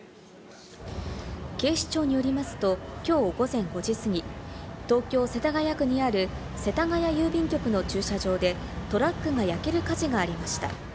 警視庁によりますときょう午前５時過ぎ、東京・世田谷区にある世田谷郵便局の駐車場でトラックが焼ける火事がありました。